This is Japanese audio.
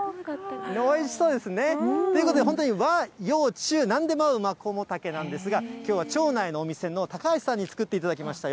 おいしそうですね。ということで、本当、和洋中なんでも合うマコモタケなんですが、きょうは町内のお店の高橋さんに作っていただきました。